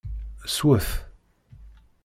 Swet!